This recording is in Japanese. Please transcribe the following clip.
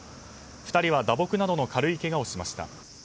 ２人は打撲などの軽いけがをしました。